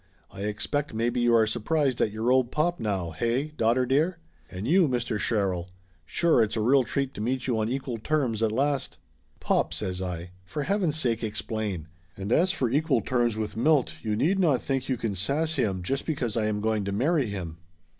I expect maybe you are surprised at your old pop now, hey, daughter dear ? And you, Mr. Sher rill ! Sure it's a real treat to meet you on equal terms at last!" "Pop!" says I. "For heaven's sake, explain. And as for equal terms with Milt, you need not think you can sass him just because I am going to marry him!"